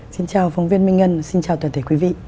xin chào phóng viên minh ngân xin chào tổng thể quý vị